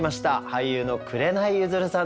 俳優の紅ゆずるさんです。